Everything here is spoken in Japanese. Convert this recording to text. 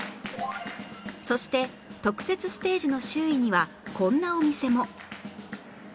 そして特設ステージの周囲にはこんなお店も